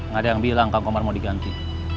nggak ada yang bilang kang komar mau diganti